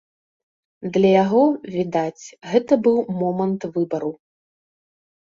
Для яго, відаць, гэта быў момант выбару.